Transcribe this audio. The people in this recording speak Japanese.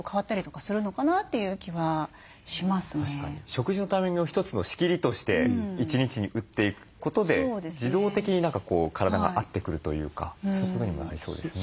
食事のタイミングを一つの仕切りとして一日に打っていくことで自動的に体が合ってくるというかそういうふうにもなりそうですね。